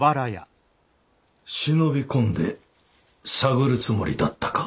忍び込んで探るつもりだったか？